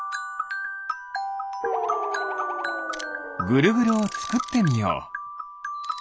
ぐるぐるをつくってみよう！